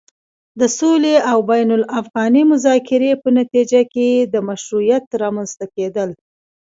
د سولې او بين الافغاني مذاکرې په نتيجه کې د مشروعيت رامنځته کېدل